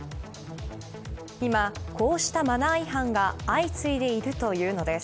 今、こうしたマナー違反が相次いでいるというのです。